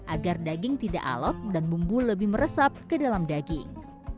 agar daging tidak alot dan bumbu lebih meresap ke dalam daging